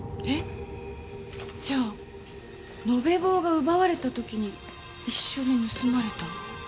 えっ？じゃあ延べ棒が奪われた時に一緒に盗まれた？